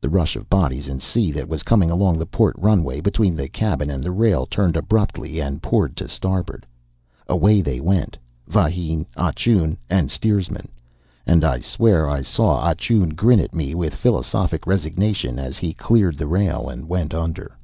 The rush of bodies and sea that was coming along the port runway between the cabin and the rail turned abruptly and poured to starboard. Away they went vahine, Ah Choon, and steersman; and I swear I saw Ah Choon grin at me with philosophic resignation as he cleared the rail and went under.